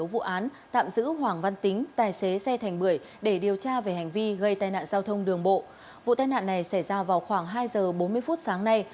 vụ tai nạn này xảy ra vào khoảng hai giờ bốn mươi phút sáng nay